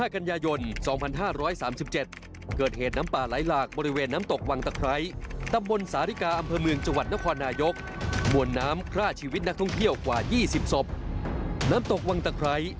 ๒๕กัญญายนต์๒๕๓๗เกิดเหตุน้ำป่าไหลหลากบริเวณน้ำตกวังตะไครต่ำบริเวณน้ำป่าไหลหลากบริเวณน้ำตกวังตะไคร